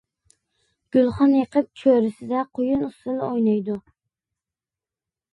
گۈلخان يېقىپ، چۆرىسىدە قويۇن ئۇسۇلى ئوينايدۇ.